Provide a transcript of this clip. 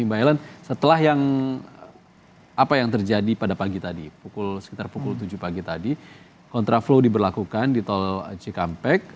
mbak ellen setelah yang apa yang terjadi pada pagi tadi sekitar pukul tujuh pagi tadi kontraflow diberlakukan di tol cikampek